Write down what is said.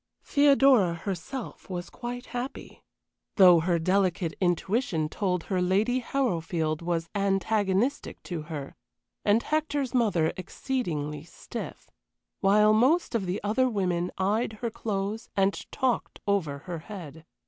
Theodora herself was quite happy, though her delicate intuition told her Lady Harrowfield was antagonistic to her, and Hector's mother exceedingly stiff, while most of the other women eyed her clothes and talked over her head.